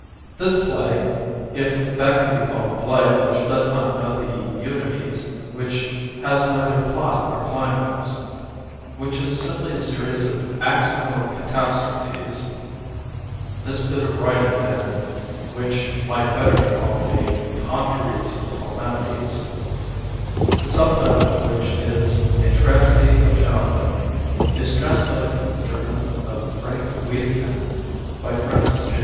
^ HIS play (if that can be called a play which does not know the unities; which has neither plot nor climax; which is simply a series of accidental catastro phies â€" this bit of writing, then, which might better be called a congeries of calamities), the sub title of which is ''A Tragedy of Childhood," is translated from the German of Frank Wedekind by Francis J.